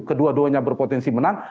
kedua duanya berpotensi menang